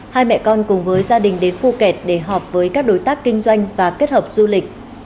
hai mẹ con cùng với gia đình đến phu kẹt để họp với các đối tác kinh doanh và kết hợp du lịch